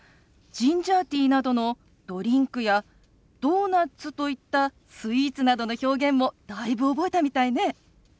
ジンジャーティーなどのドリンクやドーナツといったスイーツなどの表現もだいぶ覚えたみたいね。